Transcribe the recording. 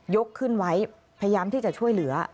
ขึ้นไว้พยายามที่จะช่วยเหลือ